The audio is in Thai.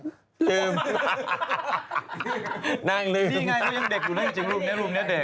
ถ้ายังงั้ยดูแลจริงรูปนี้เป็นเด็ก